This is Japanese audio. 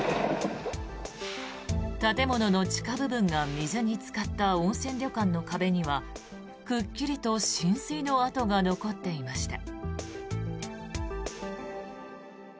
建物の地下部分が水につかった温泉旅館の壁にはくっきりと浸水の跡が残っていました。